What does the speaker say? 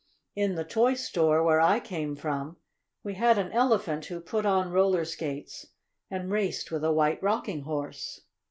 "In the toy store, where I came from, we had an Elephant who put on roller skates and raced with a White Rocking Horse."